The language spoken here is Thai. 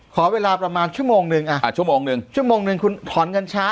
ขอเวลาประมาณชั่วโมงนึงชั่วโมงนึงคุณถอนเงินช้า